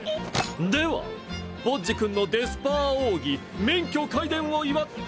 ではボッジ君のデスパー奥義免許皆伝を祝って。